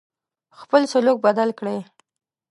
خپل سلوک بدل کړی.